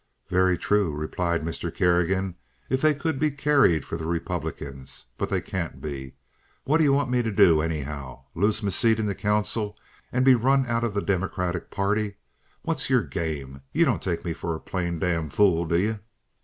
"Very true," replied Mr. Kerrigan, "if they could be carried for the Republicans. But they can't be. What do you want me to do, anyhow? Lose me seat in council and be run out of the Democratic party? What's your game? You don't take me for a plain damn fool, do you?"